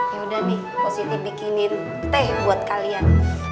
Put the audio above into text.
yaudah nih positi bikinin teh buat kalian